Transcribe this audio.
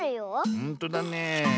ほんとだねえ。